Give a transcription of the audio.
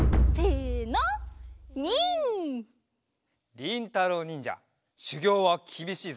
りんたろうにんじゃしゅぎょうはきびしいぞ。